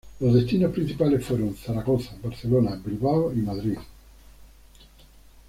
Los destinos principales fueron Zaragoza, Barcelona, Bilbao y Madrid.